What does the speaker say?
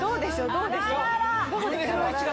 どうでしょう。